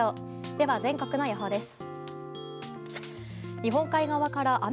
では、全国の予報です。